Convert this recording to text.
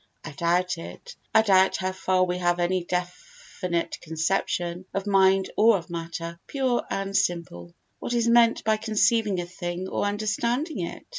I doubt it. I doubt how far we have any definite conception of mind or of matter, pure and simple. What is meant by conceiving a thing or understanding it?